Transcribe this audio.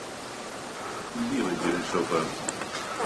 Quin dia menjaré sopa?